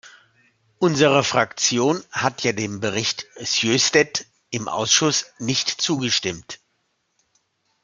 Unsere Fraktion hat ja dem Bericht Sjöstedt im Ausschuss nicht zugestimmt.